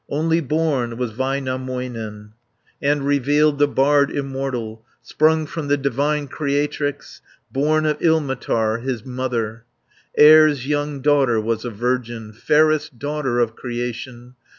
Only born was Väinämöinen, And revealed the bard immortal, Sprung from the divine Creatrix, Born of Ilmatar, his mother. 110 Air's young daughter was a virgin, Fairest daughter of Creation.